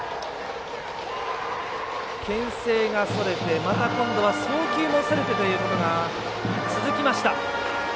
けん制がそれて、また今度は送球もそれてということが続きました。